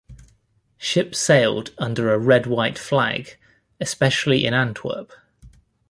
Ships sailed under a red-white flag, especially in Antwerp.